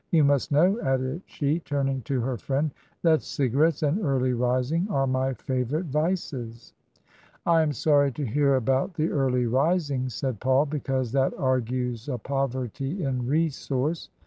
You must know," added she, turning to her friend, " that cigarettes and early rising are my fiivourite vices, ! am sorry to hear about the early rising," said Faul, " because that argues a poverty in resource."